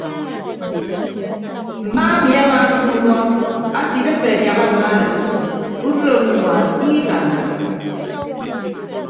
Mma emi amaasịn ubọk ate idịppe adiaha mma arịd udịd owoñwaan ikikanna.